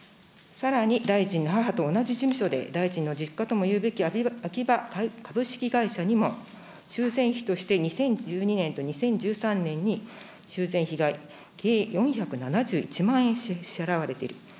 さらに大臣の母と同じ事務所で大臣の実家ともいうべきあきば株式会社にも修繕費として２０１２年と２０１３年に修繕費が計４７１万円支払われている。